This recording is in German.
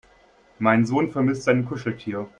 Mein Sohn vermisst sein Kuscheltier.